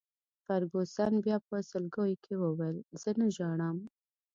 فرګوسن بیا په سلګیو کي وویل: زه نه ژاړم.